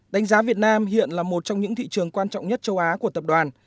đánh giá việt nam hiện là một trong những thị trường quan trọng nhất châu á của tập đoàn